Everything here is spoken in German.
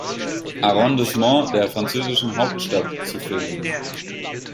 Arrondissement der französischen Hauptstadt zu finden.